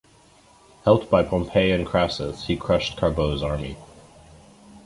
Helped by Pompée and Crassus, he crushed Carbo’s army.